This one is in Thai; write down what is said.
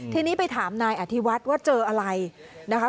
ทีนี้ไปถามนายอธิวัฒน์ว่าเจออะไรนะคะ